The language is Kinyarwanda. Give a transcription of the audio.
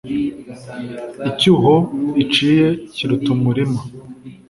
Icyuho iciye kiruta umurima,